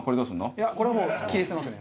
いやこれはもう切り捨てますね。